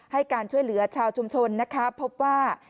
ให้การช่วยเหลือชาวชุมชนนะคะพบว่า